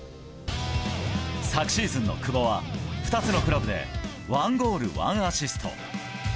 昨シーズンの久保は２つのクラブで１ゴール１アシスト。